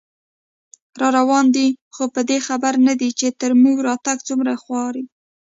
راروان دی خو په دې خبر نه دی، چې تر موږه راتګ څومره خواري